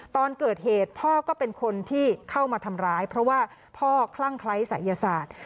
ตอนเกิดเหตุพ่อก็เป็นคนที่เข้ามาทำร้ายเพราะว่าพ่อคลั่งคล้ายศัยศาสตร์